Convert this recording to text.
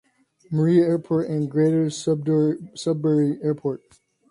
Marie Airport and Greater Sudbury Airport.